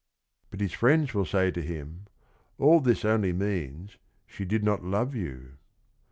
" But his friends will say to him: all this only means she did not love you.